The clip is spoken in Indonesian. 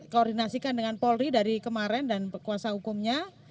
koordinasikan dengan polri dari kemarin dan kuasa hukumnya